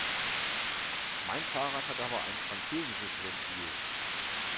Mein Fahrrad hat aber ein französisches Ventil.